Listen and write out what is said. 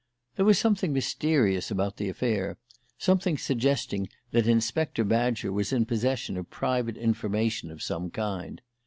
There was something mysterious about the affair, something suggesting that Inspector Badger was in possession of private information of some kind.